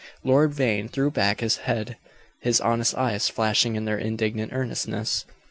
Lord Vane threw back his head, his honest eyes flashing in their indignant earnestness.